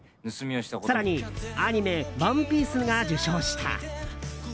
更にアニメ「ＯＮＥＰＩＥＣＥ」が受賞した。